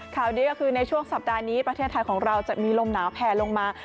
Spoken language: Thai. ข่าวดีก็คือในช่วงสัปดาห์นี้ประเทศไทยของเราจะมีลมหนาวแผ่ลงมา